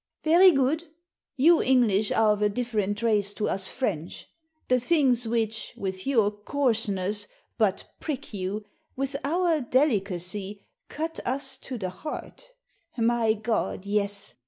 "Very good! You English are of a different race to us French* The things which, with your coarseness, but prick you, with our delicacy cut us to the heart My God, yes